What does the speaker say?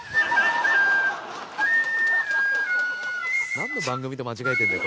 なんの番組と間違えてんだよ？